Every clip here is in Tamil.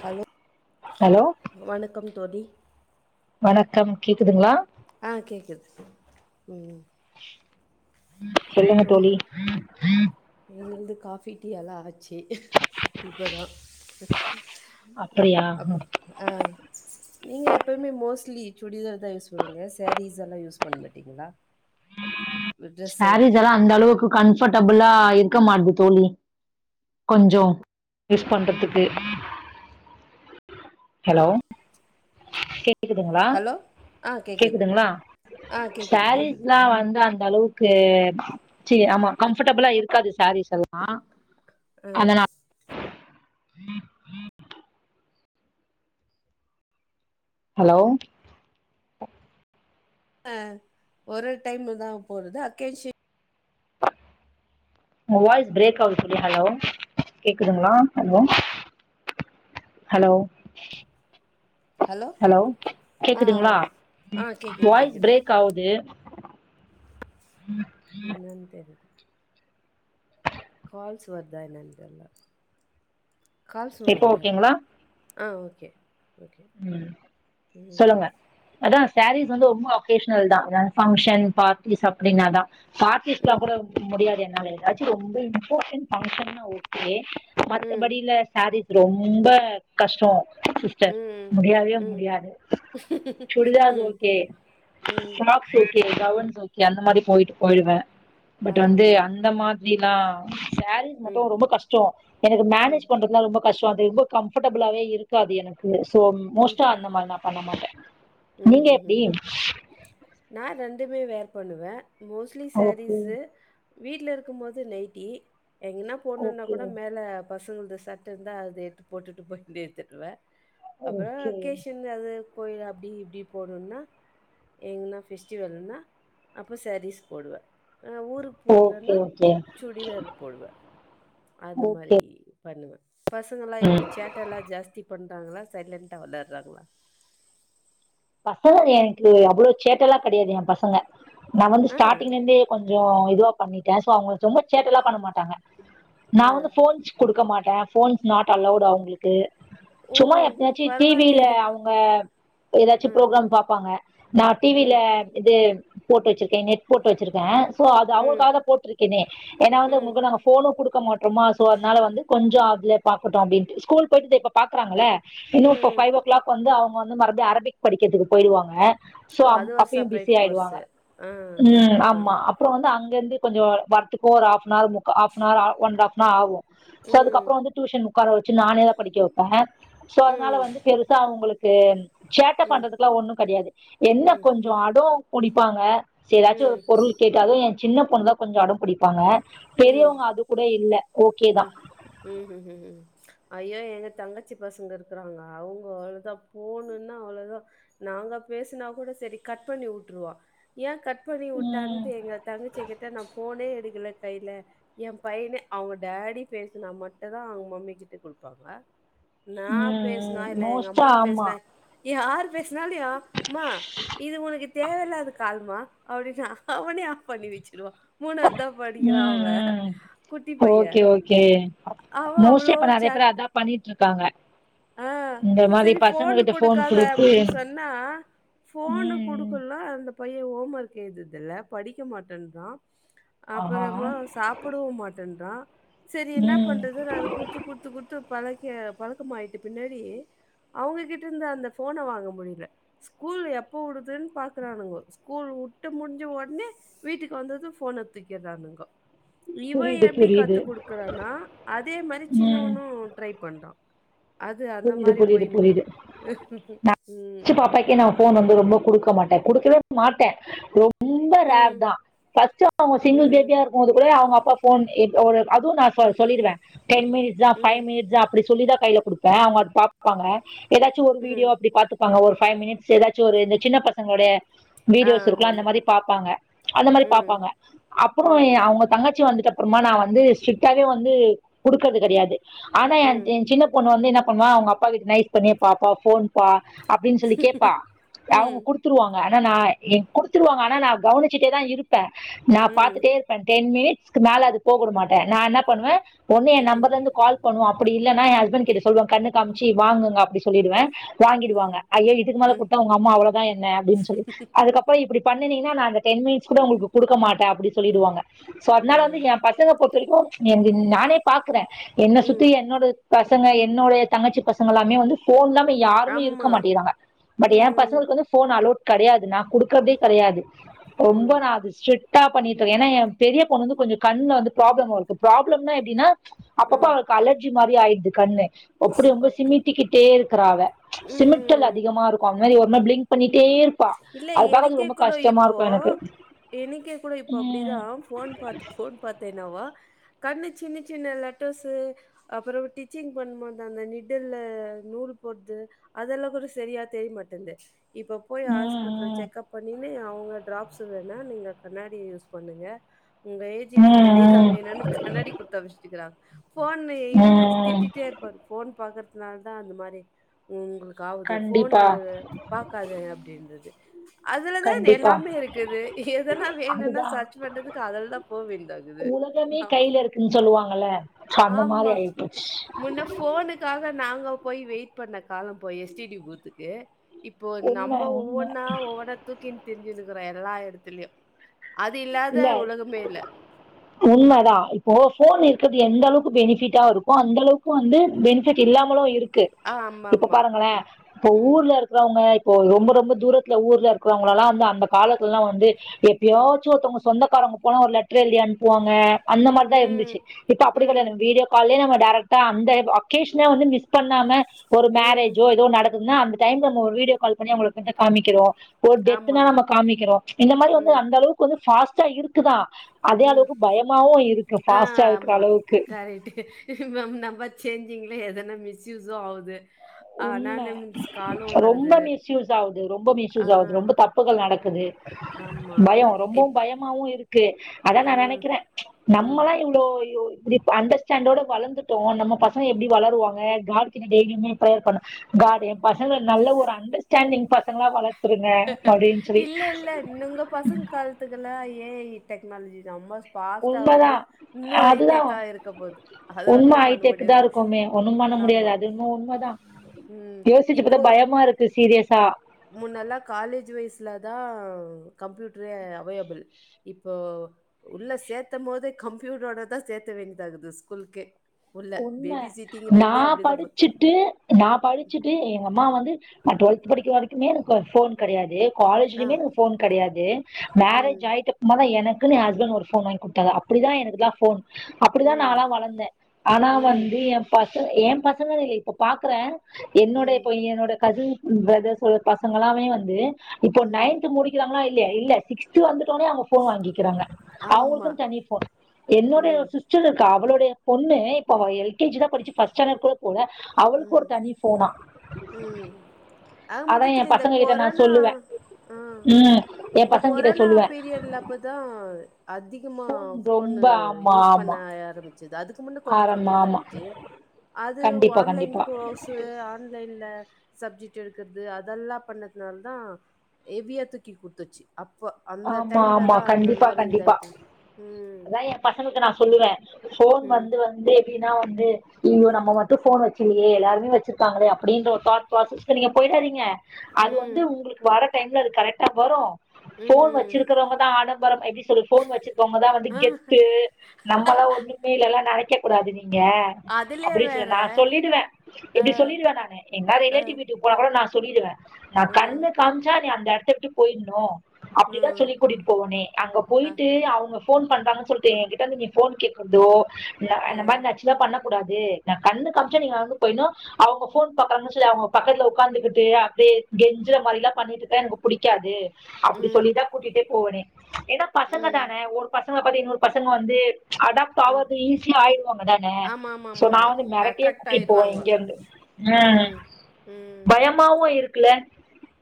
ஹலோ ஹலோ வணக்கம் தோழி வணக்கம் கேக்குதுங்களா ஆ கேக்குது ம் சொல்லுங்க தோழி எங்களுது காஃபி டீ எல்லா ஆச்சு இப்பத அப்படியா ம். அப்பறோ ஆ நீங்க எப்பயுமே மோஸ்ட்லி சுடிதார் தா யூஸ் பண்ணுவிங்களா சாரீஸ் எல்லா யூஸ் பண்ண மாட்டீங்களா ட்ரெஸ்ஸு சேரீஸ்ஸல அந்த அளவுக்கு கம்ஃபர்டபுளா இருக்க மாட்டுது தோழி கொஞ்சோ யூஸ் பண்றதுக்கு ஹலோ கேக் கேக்குதுங்களா ஹலோ ஆ கேக்குது கேக்குதுங்ளா ஆ கேக்குது கேக்குது ஸோரீஸ்லா வந்து அந்த அளவுக் க்கு சீ ஆமா கம்ஃபர்டபுளா இருக்காது சேரீஸ் எல்லா ஆ ஆ அத நா ஹலோ ஆ ஒரு ஒரு டைமுலத போறது அக்கேஷன் உங்க வாய்ஸ் பிரேக்காவுது தோழி ஹலோ கேக்குதுங்ளா ஹலோ ஹலோ ஹலோ ஆ கேக்குதுங்ளா ஆ கேக்குது வாய்ஸ் கேக்குது பிரேக் காவுது என்னன்னு தெரில கால்ஸ் வருதா என்னான்னு தெர்ல கால்சு இப்போ வர்ல ஓகேங்களா ஆ ஓகே ஓகே. ம் ம். சொல்லுங்க அதா ஸாரீஸ் வந்து ரொம்ப ஒக்கேஷ்னல் தா பங்க்ஷன் பார்ட்டிஸ் அப்டினாத பார்ட்டிஸ்ல ம். கூட முடியாது என்னால எதாச்சு ரொம்ப இம்பார்டன் பங்க்ஷன்னா ஓகே ம். மத்தபடியில ஸாரீஸ் ரொம்ப கஷ்ட ம். முடியாவே ம். முடியாது சுடிதார் ம். ஓகே ம். சும்மா ஓகே கவூன்ஸ் ஓகே அந்த மாரி போயிடு போயிருவே பட் வந்து ஆமா. அந்த மா [unintelligible] சாரீஸ் மட்டு ம். ரொம்ப கஷ்ட எனக்கு மேனேஜ் ம். பண்றதுல ரொம்ப கஷ்ட அது ரொம்ப கம்ஃபர்டபுளாவே இருக்காது எனக்கு சோ மோஸ்ட்டா அந்த மாரி நா பண்ண மாட்டே ம் ம் ம் நா ரெண்டுமே வேர் பண்ணுவே மோஸ்டி மோஸ்ட்லி ஓகே சாரீஸ்சு வீட்ல இருக்கு போது நைட்டி எங்கனா போனும்னா ஓகே கூட மேல பசங்கள்ட்ட சட்ட இருந்த அது எடுத்து போட்டுட்டு போய் வண்டி எடுத்துடுவே அப்பறோ ஓகே வெக்கேஷன் அது கோயி அப்டி இப்டி போனும்னா எங்கனா ஃபெஸ்டிவல்னா அப்போ சாரீஸ் போடுவே அ ஊருக் போறதுன்னா ஓகே ஓகே சுடிதார் போடுவே அந்த ஓகே மாரி பண்ணுவே பசங்கலா ம் எப்படி சேட்டைலா ஜாஸ்தி பண்றாங்களா சைலண்ட்டா விளையாடுறாங்களா பசங்க எனக்கு அவ்ளோ சேட்டைலா கடையாது என் பசங்க நா வந்து ஆ, ஸ்டார்ட்டிங்லே இருந்தே கொஞ்ச இதுவா பண்ணிட்டே சோ அவங்க ஒரு ரொம்ப சேட்டைலா பண்ண மாட்டாங்க நா ஆ. வந்து ஃபோன்ஸ் குடுக்க மாட்டே ஃபோன்ஸ் நாட் அலவூட் அவுங்களுக் கு ஓ சும்மா எப்பயாச்சு டிவில பரவாயில்லையே அவுங்க எதாச்சு ம் ப்ரோக்ராம் பாப்பாங்க நா டிவில ம் இது போட்டு வச்சிருக்கே நெட் போட்டு வச்சிருக்கே சோ அது ம் அவுங்கக்ளுக்காக தா போட்டிருக்கேனே ஏன்னா வந்து ம் அவுங்களுக்கு நாங்க ஃபோனு குடுக்க மாட்றோமா சோ அதனால வந்து கொஞ்ச அதில பாக்கட்டு அப்படின்ட்டு ஸ்கூல் போயிட்டு இப்போ பாக்கறாங்கள இன்னு இப்ப ம் ஃபைவ் ஓ கிளாக் வந்து அவுங்க வந்து மறுபடி அரபிக் படிக்கிறதுக்கு போயிடுவாங்க சோ ஓ அப் அது ஒரு அப்பயு செப்ரேட் பிஸி ஆய்டுவாங்க கோர்ஸு ஆ ம் ஆஹா ஆமா அ ப்புறோ வந்து அங்கருந்து கொஞ்சோ வரத்துக்கு ஒரு ஹாஃப்னார் மு ஆஃப் அனஹர் ஆ ஒன் அண்ட் ஆஃப்னர் ஆகு சோ ம் அதுக்கப்புற வந்து டியூஷன் உட்கார வச்சு நானேதா படிக்க வைப்பே சோ அதனால ம் வந்து பெருசா உங்களுக்கு சேட்டை ம் ம் பண்றதுக்கெல்லா ஒண்ணு கிடையாது என்ன ம் கொஞ்ச அடோ பிடிப்பாங்க எதாச்சு ஒரு ம் பொருள் கேட்டாலு என் சின்ன பொண்ணு தா கொஞ்ச அடம் பிடிப்பாங்க ம் பெரியவங்க அது கூட இல்ல ஓகே தா உம் உம் உம் உம் ஐயோ எங்க தங்கச்சி பசங்க இருக்கறாங்க அவுங்க அவ்ளதா ஃபோனுன்னா அவ்ளதா நாங்க பேசினா கூட சரி கட் பண்ணி விட்டுருவா ஏன் கட் பண்ணி ம் விட்டான்ட்டு எங்க தங்கச்கிய கேட்டா நா ஃபோனே எடுக்கல கையில என் பையனே அவுங்க டேடி பேசுனா மட்டு தா அவங்க மம்மி கிட்ட குடுப்பாங்க நா ம் பேசுனா இல்ல எங்க மோஸ்டா அம்மா ஆமா பேசனா யாரு பேசினாலு அ இது உனக்கு தேவையில்லாத கால்மா அப்படின்னு அவனே ஆப் பண்ணி வச்சிருவா மூண தா படிக்கிறா ம் அவன் ம் குட்டி பைய ஓகே ஓகே அவன் அவ்ளோ சேட் அதா பண்ணிட்டு இருக்காங்க ஆ இந்த மாரி சரி பசங்க ஃபோனு கிட்ட ஃபோன் குடுக்காத குடுத்து அப்படின்னு சொன்னா ஃபோனு குடு ம் ல்லா அந்த பைய ஹோம் ஒர்க் எழுந்ததுல்ல படிக்க மாட்டேன்றா ஆஹா அப்புறமா சாப்பிடவு மாட்டேன்றான் சரி என்ன ம் பண் றது அது குடுத்து குடுத்து குடுத்து பழக்கி பழக்கமாய்ட்டு பின்னாடி அவுங்ககிட்ட இருந்து அந்த ஃபோன வாங்க முடியல ஸ்கூல் எப்ப விடுதுன்னு பாக்குறானுங்க ஸ்கூல் விட்டு முடிஞ்சு உடனே வீட்டுக்கு வந்தது ஃபோன தூக்கிறானுங்க இவன் புரியுது எப்டி புரியுது கத்து குடுக்குறானா அதே மாரி ம் சின்னவனு ட்ரை பண்றான் புரியுது புரியுது புரியுது நா ம். [inaudible] பாப்பாக்கே நா ஃபோன் வந்து ரொம்ப குடுக்க மாட்டே குடுக்கவே மாட்டே ரொம்ப ரொம்ப ரேர் ம். தா ஃபஸ்ட்டு அவுங்க சிங்கிள் ம். பேபியா இருக்கும் போது கூட அவங்க அப்பா ஃபோன் அதுவு நான் சொ சொல்லிருவே டென் மினிட்ஸ் ஸா ஃபைவ் ம். மினிட்ஸா அப்டி சொல்லி தா கையில குடுப்பே அவுங்க பாப்பாங்க எதாச்சு ஒரு வீடியோ ம். அப்டி பாத்துட்டு பாங்க ஒரு ஃபைவ் மினிட்ஸ் எதாச்சு ஒரு இந்த சின்ன பசங்களோடைய ஆ வீடியோஸ் இருக்குல அந்த ஆமாமா. மாரி பாப்பாங்க அந்த மாரி ம். பாப்பாங்க அப்புறோ ம். அவுங்க தங்கச்சி வந்துட்டு அப்புறமா நா வந்து ஸ்ட்ரிக்டாவே வந்து குடுக்கறது கிடையாது ஆனா ம். என் சின்ன பொண்ணு வ ந்து என்ன பண்ணுவா அவுங்க அப்பாகிட் நைஸ் பண்ணி பா பா ஃபோன் பா அப்படின்னு சொல்லி கேப்பா அவுங்க ம். குடுத்து குடுத்துருவாங்க ஆனா நா குடுத்துருவாங்க ஆனா நா கவனிச்சுட்டே தா இருப்பேன் நா ம். பார்த்துட்டே இரு டென் மினிட்க்கு மேல அது போக விட மாட்டேன் நான் என்ன பண்ணுவன் ஒண்ணு என் ம். நம்பர்ல இருந்து கால் பண்ணுவ அப்டி இல்லைன்னா என் ஹஸ்பண்ட் கிட்ட சொல்லுவன் கண்ணு காமிச்சி வாங்குங்கஅப்டி சொல்லிடுவேன் வாங்கிடுவாங்க ம். ஐயோ இதுக்கு மேல ம். குடுத்தா உங்க அம்மா அவ்ளோதான் என்ன அப்டின்னு சொல்லி அதுக்கப் இப்டி பண்ணிநிங்கன்னா நான் அந்த டென் மிட்ஸ் கூட உங்களுக்கு குடுக்க மாட்டன் அப்டினு சொல்லிடுவாங்கோ சோ அதனால ஆ. வந்து எ பக் பசங்க பொறுத்த வரைக்கும் எங் நானே பார்கறேன் என்ன சுத்தி ம். என்னோட பசங்க என் என்னுடைய தங்கச்சி பசங்க எல்லாமே வந்து போன் இல்லாம யாருமே இருக்க ஆமா. மாட்டேங்கறாங்க பட் என் ம். பசங்களுக்கு வந்து போன் அலோட் கிடையாது நான் குடுக்கறதே கிடையாது ரொம்ப ம். நான் அது ஸ்ட்ரிட் டா பண்ணிட்டு இருக்க ஏன்னா என் பெரிய பொண்ணு வந்து கொஞ்சம் கண்ணுல வந்து ஃப்ராப்ளம் வருது ப்ராப்ளம்னா எப்பின்னா அப்பப்பா ம். அவளுக்கு அலர்ஜி மாறரி ஆயிடுது கண்ணு அப்டி ரொம்ப ஓகே. சிமிட்டிக்கிட்டே இருக்கிற அவ சிமிட்டல் ம். அதிகமா இருக்கும் அந்த மேர் ஒரே பிளிங்க் பண்ணிட்டே இருப்பா இல்ல அது ப அது ரொம்ப கஷ்டமா இருக்கும் எனக்கு என்க்கே கூட இப்ப ம் அப்டிதான் போன் பாத் போன் பாத் என்னாவா கண்ணு சின்ன சின்ன லட்டர்ஸூ அப்பறம் டிச்சிங் பண்ணும்போது அந்த நிடில்ல நூல் போற்து அதெல்லாம் கூட சரியா தெரிய மாட்டு்ந்து இப்ப போய் ஹாஸ்பிட்டல் ம் செக்ப் பண்ணின்னு அவங்க டிராப்ஸ் வேணா நீங்க கண்ணாடியே யூஸ் பண்ணுங்க உங்க ம் ஏஜ்க்கு கண்ணாடி தான் ம் வேணும்ன்னு கண்ணடி குடுத்து அனுப்ச்சி விட்டுருக்கிறாங்க போன் ம் இவரு ம் திட்டிட்டே இருப்பாரு போன் பாக்குறதுனால தான் அந்த மாரி உங்களுக்கு ஆகுது போன்னு கண்டிப்பா பாக்காத அப்டின்றது அதுல தான் கண்டிப்பா எல்லாமே இருக்குது எதனா வேணும்ன்னா அதுதா சர்ச் பண்றதுக்கு அதுல தான் போ வேண்டியதா இருக்குது உலகமே கையில இருக்குன்னு சொல்லுவாங்கல்ல சோ அந்த மாரி ஆமா ஆயிப்போச்சு முன்ன ஃபோனுக்காக நாங்க போய் வெயிட் பண்ண காலம் போய் எஸ் டி டி பூத்துக்கு இப்போ உண்ம நம்ம உண்ம ஒவ்வொன்னா ஒவ்வொன்ன தூக்கின்னு தெரிஞ்சுன்னுக்கறோம் எல்லா இடத்துலயும் அது இல்ல இல்லாத உலகமே இல்ல ம் ஓ போன் இருக்கிறது எந்த அளவுக்கு பெனிஃபிட்டா இருக்கும் அந்த அளவுக்கு வந்து பெனிஃபிட் இல்லாமலும் இருக் க்கு ஆ இப்ப ஆமாமா. பாருங்களே இப்ப ம். ஊர்ல இருக் இருக்கறவங்க இப்போ ரொம்ப ரொம்ப தூரத்துல ஊர்ல இருக்கிறவங்களல்லாம் வந்து அந்த காலத்துலல்லாம் வந்து எப்பயோ ம். ஒருத்தவங்க சொந்தக்காரங்க போன ஒரு லெட்டர் எழுதி அனுப்புவாங்க அந்த ம். மாதிரிதான் ம். இருந்துச்சு இப்ப அப்டி ம். கிடையாது வீடியோ கால்லே நம்ப டேரக்டா அந்த அகேஷ்னல் வந்து மிஸ் பண்ணாம ஒரு ம். மேரேஜோ ஏதோ நடக்குதுனா அந்த டைம்ம ஒரு வீடியோ கால் பண்ணி காமிக்கிறோம் ஒரு டேத்துனா ஆமாம். காமிக்கிறோம் இந்த மாதிரி வந்து ம். அந்த அளவுக்கு கொஞ்சம் ஃபாஸ்ட்டா இருக்குதான் அதே ம். அளவுக்கு பயமாவும் இருக்கு ஃபாஸ்ட்டா இருக்கிற அளவுக்கு ரைட்டு ம் நம்ம சேஞ்சிங்ல எதனா மிஸ்யூஸும் ஆகுது ஆனா உண்ம ரொம்ப மிஸ்யூஸ் ஆகுது ரொம்ப ஆ மிஸ்யூஸ் ஆகுது ரொம்ப தப்புகள் நடக்குது ஆமா. பயம் ரொம்பவும் இப் பயம் பயமாவும் இருக்கு அதான் ஆ நான் நினைக்கிறேன் ம். நம்மலாம் இவ்ளோ இயோ இப் அண்டர்ஸ்டாண்டோட வளர்ந்துட்டோம் நம்ம பசங்க எப்டி வளருவாங்க கார்க்கு டெய்லுமே ஃப்ரேயர் பண்ணுவே காட் என் பசங்கல நல்ல ஒரு அண்டர்ஸ்டாண்டிங் பசங்கலா வளர்த்து குடுத்துருங்க அப்டின்னு சொல்லி இல்ல, இல்ல. உங்க பசங்க காலத்துக்குல ஏ ஐ டெக்னாலஜி ரொம்ப ஃபாஸ்ட்டா வந்து உண்மைதான் இன்னும் அதுதான் ஹைடெக்கா இருக்க போகுது அது ஒன்னும் பண்ண முடியாது மே ஒண்ணும் பண்ண முடியாது ஆமா. அது இன்னும் உண்மைதான் ம். யோசிச்ச பாத்தா பயமா இருக்கு சீரியஸா முன்னல்லா காலேஜ் வயஸ்ல தான் கம்ப்யூட்டரு அவைலபிள் இப்போ உள்ள சேர்த்தும் போதே கம்ப்யூட்டரோடதான் சேர்த்த வேண்டியதாகுது ஸ்கூலுகே உண்ம நா போ- படிச்சுட் டு நா படிச்சுட்டு எங்க அம்மா வந்து நா டுவெலத் படிக்கிற வரைக்குமே எனக்கு ஃபோன் கெடையாது ஆ காலேஜ்லையுமே எனக்கு ஃபோன் கெடையாது மேரேஜ் ம் ஆயிட்ட சும்மா தா எனக்குன்னு ஏ ஹஸ்பண்ட் ஒரு ஃபோன் வாங்கி குடுத்தாரு அப்டிதா எனக்குல்லா ஃபோன் அப்டிதா நான்ல்லா ம் வளந்தே ஆனா ம் வந்து ஏ பசக ஏ பசங்கனு இல்ல இப்ப பாக்குற என்னோட ஏ பையனோட ம் இப்ப என்னோட கசின் பிரதர்ஸ் ஓட பசங்க எல்லாமே வந்து இப்போ ம் நைன்த் முடி முடிகிறாங்கலா இல்லியா இல்ல சிஸ்த்து வந்துடானுவோ ஃபோன் வாங்கிக்கிறாங்க ஆமா அவுங்களுக்கு தனி ஃபோன் என்னுோடைய ம் சிஸ்டர் இருக்கா அவளுடைய பொண்ணு இப்போ எல் கே ஜி தா படிச்சு பஸ்ட் ஸாண்டட் கூட போல அவளுக்கு ஒரு ம் தனி ஃபோனா ம் ஆக அதான் மொத்ததுல என் இந்த பசங்க கிட்ட நான் கொரனா சொல்லுவேன் ஆ ம் என் இந்த பசங்க கிட்ட கொரோனா சொல்லுவேன் பீரியடல அப்பதா அதிகமா ஃபோன் ரொம்ப ஃபோனு ஆமா யூஸ் பண்ண ஆமா ஆரம்பிச் சது அதுக்கு முன்ன கொஞ்சோ ஆரம்ப கம்மியாக தா ஆமா இருந்துச்சு அது வா கண்டிப்பா கண்டிப்பா கோர்ஸு ஆன்லைன்ல சப்ஜெக்ட் எடுக்குறது அதெல்லா பண்ணதுனால தா ஹேவியா தூக்கி குடுத்துச்சு அப்ப அந்த ஆமா டைம்ல ஆமா தா இந்த கண்டிப்பா மாரி கண்டிப்பா இதாயிட்டு ம் அதா ஏ பசங்களுக்கு நா சொல்லுவே ஃபோன் ம் வந்து வந்து எப்டின்னா வந்து ஐய்யோ நம்ம மட்டு ஃபோன் வச்சுலையே எல்லாருமே வச்சிருக்காங்களே அப்டின்ற ஒரு தாட் ப்ராசஸ்கு நீங்க போயிடாதீங்க அது வந்து ம் உங்களுக்கு வர டைம்ல அது கரெக்ட்டா வரு ம் ஃபோன் ம் வச்சிருக்கிறவங்க தா ஆடம்பரம் எப்டி சொல்றது ஃபோன் வச்சிருக்கவங்க தா வந்து ஆ கெத்து நம்மளா ஒண்ணுமே இல்லல்லனு நெனைக் க கூடாது நீங்க அதுலயே அப்டின்னு சொல்லுவ வேற நா சொல்லிடுவே ஆ இப்டி சொல்லிடுவே நானு எங்கயாவுது ஆ ரிலேட்டிவ் வீட்டுக் போகுள்ள நா சொல்லிடுவே நா ம் கண்ணு காமிச்சா நீ அந்த எடத்த விட்டு போயிருணு அப்டிதா ம். சொல்லி கூட்டிட்டு போவனே அங்க அ, போயிட்டு அவுங்க ஃபோன் பன்றாங்கு சொல்ட்டு ஏ கிட்ட வந்து நீ ஃபோன் கேக்குறதோ னா அந்த ம். மாதிரி நச்சுதா பண்ண கூடாது நா கண்ணு காமிச்சா நீங்க வந்து போயினு அவுங்க ஃபோன் பாக்குறாங்கன்னு சரி அவுங்க பக்கத்துல உக்காந்துகுட்டு அப்டியே கெஞ்சற மாரில்லா பண்ணிட்டு இருந்தா எனக்கு பிடிக்காது அப்டி ம். சொல்லிதா கூட்டீட்டே போவனே ஏனா பசங்க ம். தான ஒரு பசங்க பத்தி இன்னொரு பசங்க வந்து அடாப் ம். பாவது ஈஸியா ஆயிருவாங்க தான ஆமா, ஆமா, சோ ஆமா, நா ஆமா. வந்து மெரட்டியே அட்ராக்ட் கூட்டிட்டு போவ ஆயிருவாங்க. இங்க இருந்து ம் ம். பயமாவு இருக்குல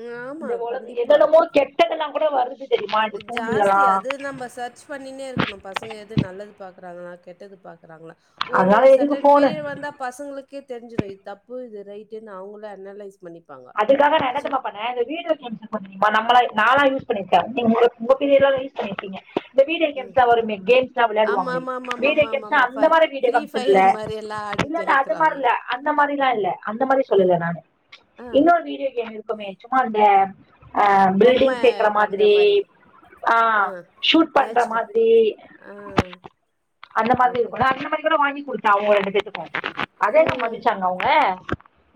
ம். ஆமா, இந்த ஒலகோ கண்டிப்பா. எதலமோ கெட்டதெல்லா கூட வருது தெரியுமா இந்த ஜாஸ்தி ஃபோன்லலாம் அது நம்ம சர்ச் பண்ணினே இருக் குனு பசங்க எது நல்லது பாக்குறாங்களா கெட்டது பாக்குறாங்களா ஒரு அதனால எதுக்கு செர்டைன் ஃபோனு பீரியர் வந்தா பசங்களுக் கே தெரிஞ்சிரு இது தப்பு இது ரைட்டுனு அவுங்களே அனலைஸ் பண்ணிப்பாங்க. அதுக்காக நா என்ன சி தெர்மா பண்ண இந்த வீடியோ கேம்ஸ் இருக்கு தெரியுமா நம்மளா நாலா யூஸ் பண்ணிருக்க நீங்க [unintelligible] உங்க பீடியர்ல யுஸ் பண்ணிருப்பீங்க இந்த வீடியோ ம். கேம்ஸ்லா வருமே கேம்ஸ்லா ஆமா, வெளயாடுவாங்களே ஆமா, ஆமா, ஆமா, வீடியோ ஆமா, ஆமா, கேம்ஸ்னா ஆமா. ஃப அந்த மாரி வீடியோ ஃப்ரீ கேம்ஸ் இல்ல ஃபயர் மாரி எல்லாம் இல்ல ஆடிட்டே இல்ல அது மாரி இருக்குறாங்க. இல்ல அந்த மாதிரிலா இல்ல அந்த மாதிரி அ, சொல்லல நானு அ. இன்னொரு வீடியோ கேம் இருக்குமே சும்மா இந்த அ பொம்ம பில்டிங் சேக்குற பண்ற மாதிரி மாரி ஆ ஷூட் பண்ற மேட்ச் ப மாதிரி ஆ அந்த மாதிரி ஓகே இருக்குல அந்த மாதிரி கூட வாங்கி குடுத்தாங்க ரெண்டு பேத்துக்கு அத எங்க மதிச்சாங்க அவுங்க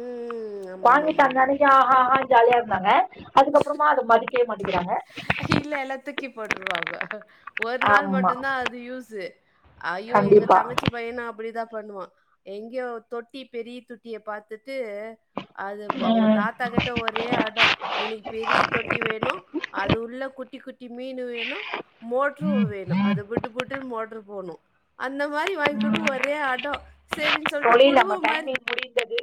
ம் ம் ம் வாங்கிதந்த ஆமாமாமாமா அன்னைக்கு ஆ ஆ ஜாலியா இருந்தாங்க அதுக்கப்றோமா அத மதிக்கவே மாட்டேங்கிறாங்க கீழ எல்லா துக்கி போட்ருவாங்க ஒரு நாள் ஆமா மட்டும்தா அது யூஸ் ஐயோ எங்க கண்டிப்பா தங்கச்சி பயணூ அப்டிதான் பண்ணுவா எங்கயோ தொட்டி பெரிய தொட்டிய பாத்துட்டு அது பவ் அவுங்க ம் தாத்தா கிட்ட ஒரே அடோ எனக் பெரிய தொட்டி வேணு அது உள்ள குட்டி குட்டி மீனு வேணு மோட்ரு வேணும் அத விட்டு புட்டு மோட்ரு போணும் அந்த மாரி வாய்ங்குடு ம் ஒரே அடோ சேரின்னு சொல்ட்டு தோழி குடுவ நம்ம மாரி டைமிங் முடிந்தது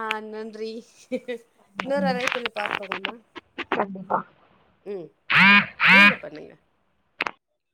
ஆ நன்றி இன்னொரு ம், அழைப்புள பாத் பாக்லாமா கண்டிப்பா உம் நீங்க பண்ணுங்க